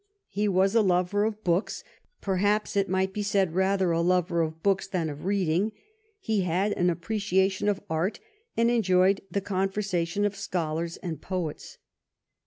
He was a lover of books — perhaps it might be said rather a lover of books than of reading — ^he had an appreciation of art, and enjoyed the conversation of scholars and poets.